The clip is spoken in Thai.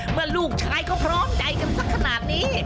เมื่อลูกชายเขาพร้อมใจกันสักขนาดนี้